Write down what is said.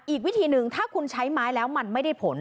อีกวิธีหนึ่งถ้าคุณใช้ไม้แล้วมันไม่ได้ผล